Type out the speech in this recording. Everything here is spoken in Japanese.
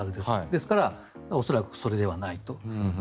ですから恐らくそれではないと。